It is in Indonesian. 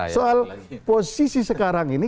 soal posisi sekarang ini